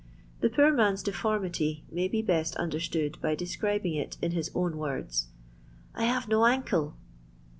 The poor man's deformity may be best under ■tood by describing it in his own words :" I hare no ancle."